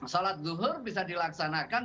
sholat zuhur bisa dilaksanakan